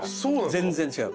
全然違う。